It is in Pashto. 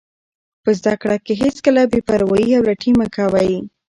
په زده کړه کې هېڅکله بې پروایي او لټي مه کوئ.